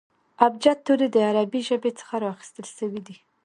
ابجد توري د عربي ژبي څخه را اخستل سوي دي.